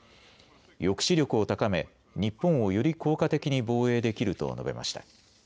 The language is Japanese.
抑止力を高め日本をより効果的に防衛できると述べました。